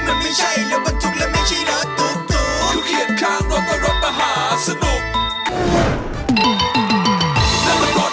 มันน่าจะไแล้วเป็นแค่รถม้าหาสนุก